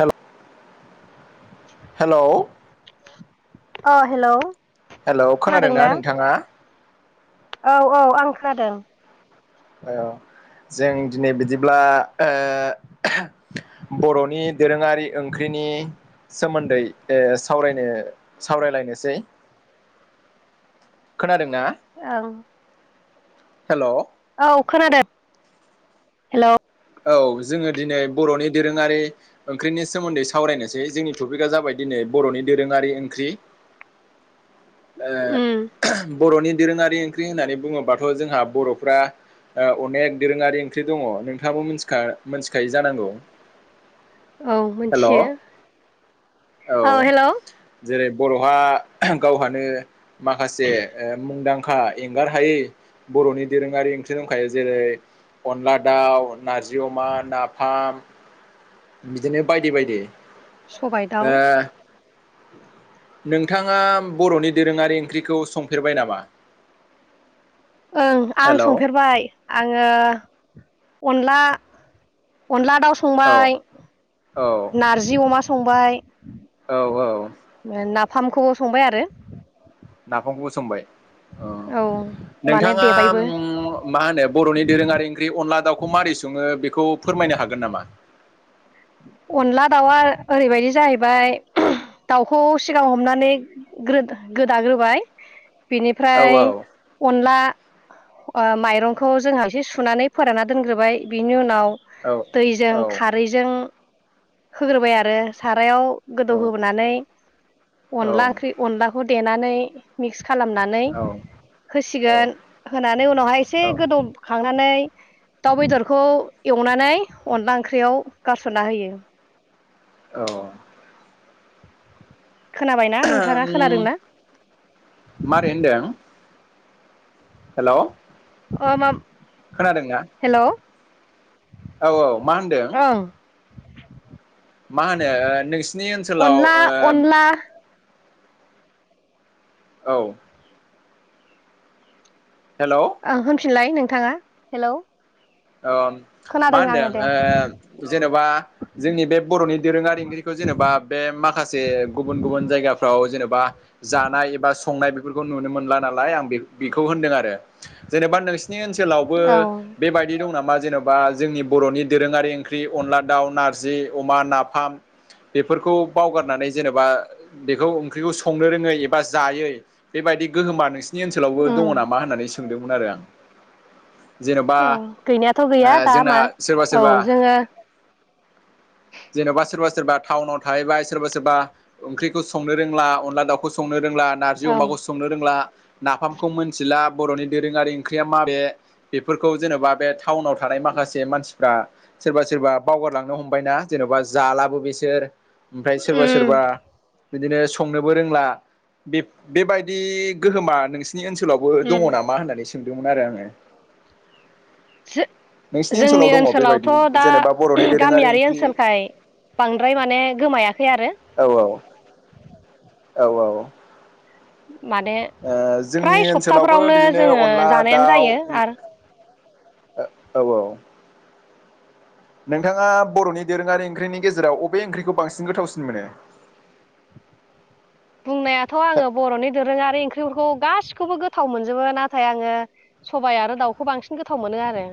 हेल' hello अ' hello hello खोनादोंना नोंथाङा? औ औ आं खोनादों । औ जों दिनै बिदि ब्ला ओ बर'नि दोरोङारि ओंख्रिनि सोमोन्दै सावरायनो सावरायलायनोसै खोनादोंना? ओं हेल' औ खोनादों हेल' औ जोङो दिनै बर'नि दोरोङारि ओंख्रिनि सोमोन्दै सावरायनोसै जोंनि टपिकआ जाबाय दिनै बर'नि दोरोङारि ओंख्रि ओ उम बर'नि दोरोङारि ओंख्रि होननानै बुङोबाथ' जोंहा बर'फ्रा ओ अनेक दोरोङारि ओंख्रि दङ नोंथाङाबो मिथिखा मिथिखायो जानांगौ। औ हेल' मोनथियो औ औ हेलौ जेरै बर'हा गावहानो माखासे ओ मुंदां खा एंगार हायै बर'नि दोरोङारि ओंख्रि दंखायो जेरै अनला दाउ नारजि, अमा, नाफाम, बिदिनो बायदि बायदि । सबाय दाउ नोंथाङा बर'नि दोरोङारि ओंख्रिखौ संफेरबाय नामा? [inaudible] ओं आं हेलौ संफेरबाय आङो अनला अनला दाउ औ संबाय औ नारजि अमा सं संबाय औ औ नाफामखौबो संबाय आरो नाफामखौबो संबाय ओ औ माने नोंथाङा देबायबो मा होनो बर'नि दोरोङारि ओंख्रि अनला दाउखौ मोरै सङो बेखौ फोरमायनो हागोन नामा? अनला दाउआ ओरैबायदि जाहैबाय दाउखौ सिगाङाव हमनानै गोदाग्रोबाय औ बेनिफ्राय औ अनला अ' माइरंखौ जोंहा एसे सुनानै फोरानना दोनग्रोबाय बिनि उनाव औ दैजों औ खारैजों होग्रोबाय आरो सारायाव गोदौ होबोनानै औ अनला ओंख्रि अनलाखौ देनानै मिक्स खालामनानै औ औ होसिगोन होनानै उनावहाय एसे औ गोदौ खांनानै दाउ बेदरखौ एवनानै अनला ओंख्रियाव गारस ना होयो । औ खोनाबायना नोंथाङा खोनादोंना? हेल' ओ माम खोनादोंना? औ औ मा होनदों? [inaudible] मा होनो नोंसिनि ओनसोलाव अनला ओ अनला औ हेलौ [unintelligible] लाय नोंथाङा हेलौ ओम मा खोनादों आङो होनदों दे ओ जेन'बा जोंनि बे बर'नि दोरोङारि ओंख्रिखौ जेनेब बा बे माखासे गुबुन गुबुन जायगाफ्राव जेनेबा जानाय एबा संनाय बेफोरखौ नुनो मोनला नालाय आं बे बेखौ होनदों आरो जेनेबा नोंसि नि ओनसोलावबो औ बेबायदि दं नामा जेन'बा जोंनि बर'नि दोरोङारि ओं ख्रि अनला दाउ, नारजि, अमा, नाफाम बेफोरखौ बावगारनानै जेनेबा बेखौ ओंख्रिखौ संनो रोङै एबा जायै बेबाय दि गोहोमा नोंसिनि ओनसोलावबो दङ' उम नामा होननानै सोंदोंमोन आरो आं। जेन'बा औ गैनायाथ' ओ गैया दा जोंना मा सोरबा औ सोरबा जोङो जेन'बा सोरबा सोरबा टाउनाव थाहैबाय सोरबा सोरबा ओंख्रिखौ संनो रोंला अनला दाउखौ संनो रोंला नारजि औ अमाखौ संनो रोंला नाफामखौ मोनथिला बर'नि दोरोङारि ओंख्रिया माबे बेफोरखौ जेनेबा बे टाउनाव थानाय माखासे मानसिफ्रा सोरबा सोरबा बावगारलांनो हमबायना जेन'बा जालाबो बिसोर ओमफ्राय सोरबा सोरबा उम बिदिनो संनोबो रोंला बे बेबायदि गोहोमा नोंसि नि ओनसोलावबो दङ' उम नामा होननानै सोंदोंमोन आरो आङो। जो नोंसिनि ओनसोलाव जोंनि दङ बेबायदि ओनसोलावथ' दा जेनेबा बर'नि दोरोङारि गामियारि ओंख्रि ओनसोलखाय बांद्राय माने गोमायाखै आरो औ औ औ औ। माने ओ जोंनि फ्राय ओनसोलावबो सप्ताफ्रावनो बिदिनो जोङो अनला जानायानो दाउ जायो आरो औ औ। नोंथाङा बर'नि दोरोङारि ओंख्रिनि गेजेराव अबे ओंख्रिखौ बांसिन गोथावसिन मोनो? [inaudible] बुंनायाथ' आङो बर'नि दोरोङारि ओं [unintelligible] गासिखौबो गोथाव मोनजोबो। नाथाय आङो सबाय आरो दाउखौ बांसिन गोथाव मोनो आरो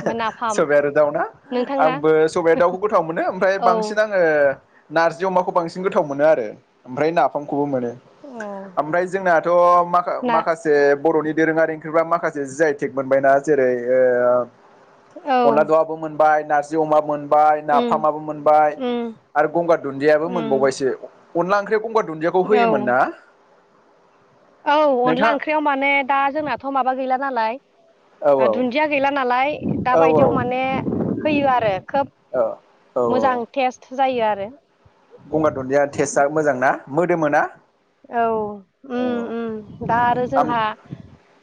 ओमफ्राय नाफाम सबाय आरो दाउ ना नोंथांना आंबो सबाय दाउखौ गोथाव मोनो ओमफ्राय औ बांसिन आं ओ नारजि अमाखौ बांसिन गोथाव मोनो आरो ओमफ्राय नाफामखौबो मोनो। औ ओमफ्राय जोंनाथ' माखा ना माखासे बर'नि दोरोङारि ओंख्रिबा माखासे जि आइ टेक मोनबाय ना जेरै औ ओ अनला दाउआबो मोन बाय नारजि अमा मोन बाय उम नाफामाबो मोनबाय उम आरो गंगार दुनदियाबो मोन उम दुन्दियाखौ औ होयोमोन ना औ अनला नोंथां ओंख्रियाव माने दा जोंनाथ' माबा गैला नालाय। औ दुन्दिया गैला नालाय दा औ बायदियाव माने होयो आरो खोब औ औ मोजां टेस्ट जायो आरो गंगार दुन्दिया टेस्टआ मोजां ना मोदोमो ना औ औ उम उम दा आरो आम जोंहा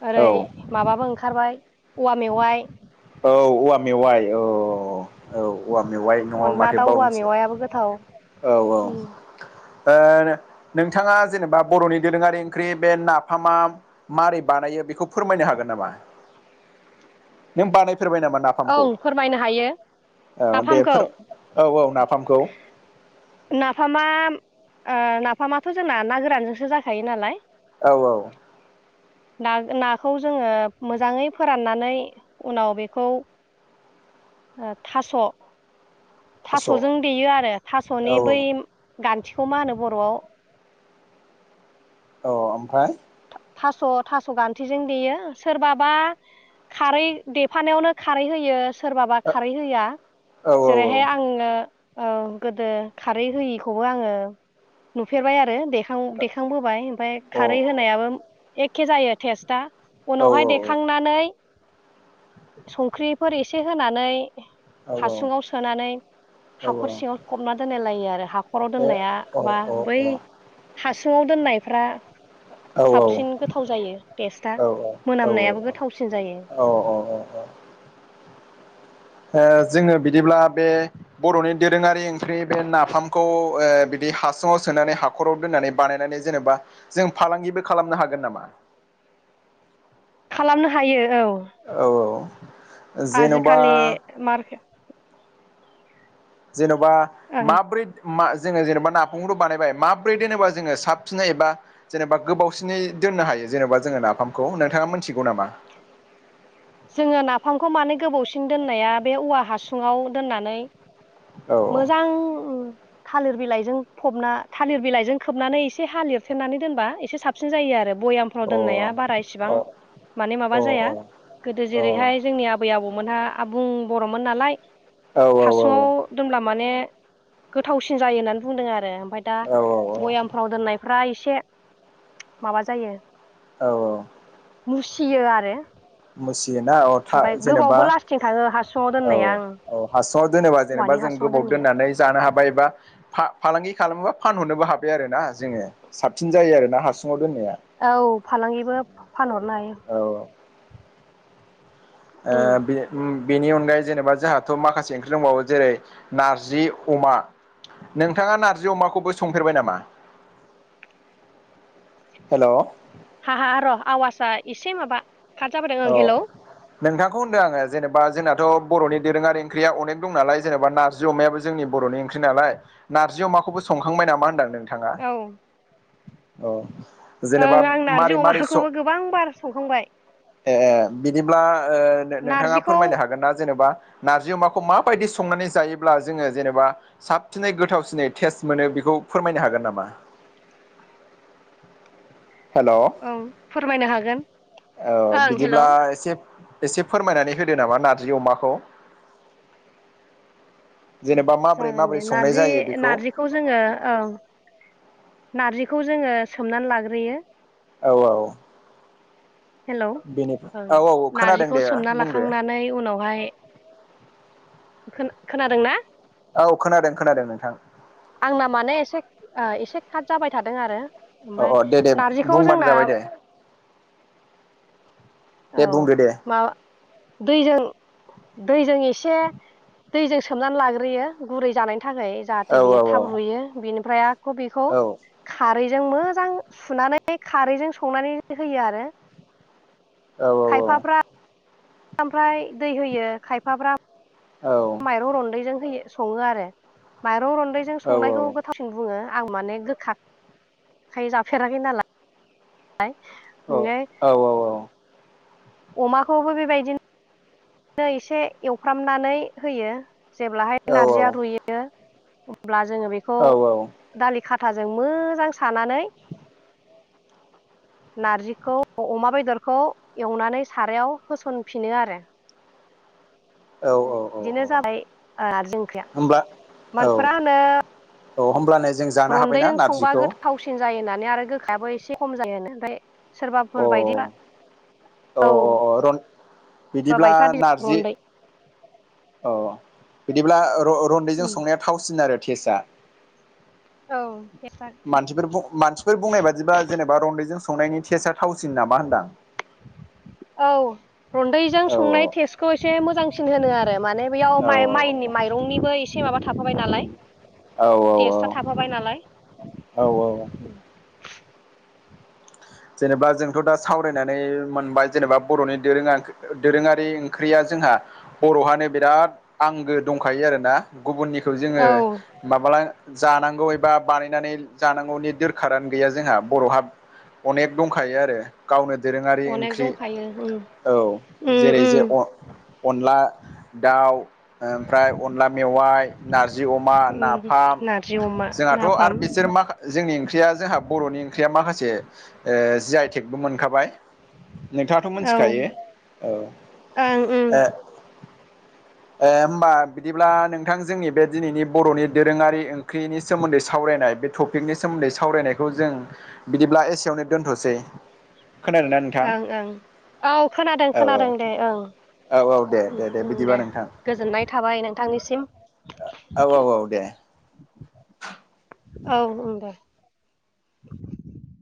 ओरै औ माबाबो ओं खारबाय औवा मेवाइ औ औवा मेवाइ अ अ अ। औ औवा मेवाइ न'आ अनला माथो दाउ औवा बावदोंसो मेवायाबो गोथाव औ औ। उम ओ नोंथाङा जेनेबा बर'नि दोरोङारि ओंख्रि बे नाफामा मारै बानायो बेखौ फोरमायनो हागोन नामा? [unintelligible] नामा नाफामखौ ओं फोरमायनो हायो ओ दे नाफामखौ फोर औ औ नाफामखौ। नाफामा ओ नाफामाथ' जोंना ना गोरानजोंसो जाखायो नालाय। औ औ। ना नाखौ जोङो मोजाङै फोराननानै उनाव बेखौ ओ थास' थास' थास'जों देयो आरो औ थास'नि बै गान्थिखौ मा होनो बर'आव औ ओमफ्राय? थास' थास' गान्थिजों देयो सोरबाबा खारै देफानायावनो खारै होयो सोरबाबा खारै होया औ अ औ जेरैहाय आङो औ गोदो खारै होयिखौबो आङो नुफेरबाय आरो देखांबोबाय ओमफफ्राय खारै होनायाबो एखे जायो टेस्टा औ उनावहाय देखांनानै संख्रिफोर एसे होनानै हासुङाव सोनानै औ हाखर सिङाव फबना दोनाय लायो आरो हाखर खराव ए दोननाया औ बा बै हासुुंङाव दोननायफ्रा औ साबसिन गोथाव जायो बेस्टआ औ मोनामनायाबो गोथावसिन जायो [unintelligible] जोङो बिदिब्ला बे बर'नि दोरोङारि ओंख्रि बे नाफामखौ बिदि हासुुंङाव सोनानै हाख'राव दोननानै बानायनानै जेनेबा जों फालांगिबो खालामनो हागोन नामा [unintelligible] खालामनो हायो औ औ औ जेन'बा आजिखालि मार्केट जेन'बा ओं माबोरै जोङो जेनेबा नाफामखौथ' बानायबाय माब्रै दोनोबा जोङो साबसिन एबा जेनेबा गोबावसिननि दोन्नो हायो जेनेबा जोङो नाफामखौ नोंथाङा मोनथिगौ नामा? जोङो नाफामखौ मानो गोबावसिन दोननाया बे औवा हासुङाव दोननानै औ मोजां थालिर बिलाइजों फबना थालिर बिलाइजों खोबनानै एसे हा लिरथेरनानै दोनबा एसे साबसिन जायो आरो। भयामफ्राव अ दोननाया बारा अ इसेबां माने अ माबा औ जाया गोदो औ जेरैहाय जोंनि आबै आबौ बर मोनहा आबुं बर'मोन नालाय हासुुंङाव दोमब्ला माने गोथावसिन जायो होननानै बुंदों आरो ओमफ्राय दा औ भयामफ्राव दोननायफ्रा एसे एसे माबा जायो औ औ। मुसियो आरो। ना अ थ ओमफ्राय जेनेबा गोबावबो लास्टिं थाङो हासुङाव औ दोननाया ओं औ हासुङाव दोनोबा जेनेबा औवानि जों हासुङाव गोबाव दोननाया दोननानै जानो हाबाय एबा फ फांलांगि खालामोबा फानहरनोबो हाबाय आरोना ज ससिन जायो आरोना हाव औ फालांगिबो फानहरनो हायो। उम बि बेनि अनगायै जेनेबा जोंहाथ' माखासे ओंख्रि दंबावो जेरै नारजि अमा नोंथाङा नारजि अमाखौबो संफेरबाय नामा? हेल'। हा हा र' आवासआ एसे माबा खारजाबोदों ओं हेलौ। नोंथांखौ होनदों आङो जेनेबा जोंनाथ' बर'नि दोरोङारि ओंख्रिया अनेक द नाल जेनबा नारजि अमायाबो जोंनि। बर'नि ओंख्रि नालाय नारजयाव माखौबो सखांबाय नामा होनदों नों औ। औ जेनेबा ओं आं नारजि मारै मारै स' अमाखौबो गोबां बार संखांबाय ए बिदिब्ला ओ नोंथाङा नारजिखौ फोरमायनो हागोन ना जेनेबा नारजि अमाखौ माबायदि संनानै जायोब्ला जोङो जेनेबा साबसिनै गोथावसिनै टेस्ट मोनो बेखौ। फोरमायनो हागोन नामा? हेल ओ ओं फोरमायनो हागोन ओं हेलौ बिदिब्ला एसे एसे फोरमायनानै होदो नामा नारजि अमाखौ। जेनेबा माबोरै जागोन माबोरै दे संनाय नारजि जायो बेखौ नारजिखौ जोङो औ नारजि खौ जोङो सोमनानै लाग्रोयो। औ औ। हेलौ बेनिफ ओं औ औ औ खोनादों नारजिखौ दे सोमना बुंदो । [inaudible] लाखांनानै खोन खोनादों ना? खोनादों खोनादों नोंथां आंना माने एसे ओ एसे काट जाबाय थादों आरो । औ ओमफाय औ दे दे नारजिखौ बुंबानो जोंना जाबाय दे दे औ बुंदो दे माबा दैजों दैजों एसे दैजों सोमनानै लाग्रोयो गुरै जानाय थाखाय औ जाहाथे बेयो औ थाब रुयो बेनिफ्राय आक' बेखौ औ खारै जों मोजां सुनानै खारैजों संनानै होयो आरो । औ औ औ । ओमफ्राय दै होयो खायफाफ्रा माइरं रन्दैजों होयो सङो आरो माइरं रन्दैजों संनायखौ गोथावसिन बुङो । आं माने गोखा खाय जाफेराखै नालाय । औ औ औ औ । अमाखौबो बेबायदिनो एसे एवफ्रामनानै होयो । जेब्लाहाय नारजिया रुयो अब्ला जोङो बेखौ औ दालि खाथाजों मोजां सानानै नारजिखौ अमा बेदरखौ एवनानै सारायाव होसनफिनो आरो । औ बिदिनो औ जाबाय ओ नारजि ओंख्रिया होमब्ला औ मोनफोरा होनो औ होमब्लानो जों जानो रन्दै हाबायना जों संबा नारजिखौ गोथावसिन जायो होननानै आरो गोखायाबो एसे खम जायोनो ओमफ्राय अ सोरबाफोर बायदिफ्रा अ औ अ रन । सोरबा बिदिब्ला बायफ्रा बि नारजि रन्दै औ औ बिदिब्ला र-रन्दैजों उम संनाया थावसिनो आरो टेस्टआ? औ मानसिफोर बुं मानसिफोर बुंनाय बादिबा जेनेबा रन्दैजों संनायनि टेस्टआ थावसिन नामा होनदां औ रन्दैजों औ संनाय टेस्टखौ ए एसे मोजांसिन होनो आरो माने बैयाव औ माइ माइनि माइरंनिबो एसे माबा थाफाबाय नालाय औ । औ टेस्टा थाफाबाय नालाय औ औ । जेनेबा जोंथ दा सावरायनानै मोनबाय जेनेबा बर'नि दोरोआ दोरोङारि ओंख्रिया जो जोंहा बर'हानो बिराद आंगो दंखायो आरोना । गुबुननिखौ जोङो औ माब्ला जानांगौ एबा बानायनानै जानांगौनि दोरखारानो गैया जोंहा बर'हा अनेक दंखायो आरो गावनो दोरोङारि अनेक ओंख्रि दंखायो उम औ उम जेरै जे उम अ अनला दाउ ओमफ्राय अनला मेवाइ नारजि अमा उम नाफाम नारजि अमा जोंहाथ नाफाम आरो बिसोर मा जोंनि ओंख्रिया जाहा बर'नि ओंख्रिया माखासे ओ जि आइ टेकबो मोनखाबाय । नोंथाङाथ औ मिथिखायो ओं औ ओ उम ओ होमबा बिदिब्ला नोंथां जोंनि बे दिनैनि बर'नि दोरोङारि ओंख्रिनि सोमोन्दै सावरायनाय बे टपिकनि सोमोन्दै सावरायनायखौ जों बिदिब्ला एसेयावनो दोन्थसै । खोनादों ना नोंथां? ओं ओं औ खोनादों औ खोनादों दे औ ओं औ औ दे । दे उम्म उम्म बिदिबा दे नोंथां गोजोननाय थाबाय नोंथांनिसिम औ । औ [inaudible] औ उं दे ।